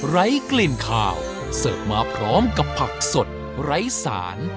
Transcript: ไร้กลิ่นขาวเสิร์ฟมาพร้อมกับผักสดไร้สาร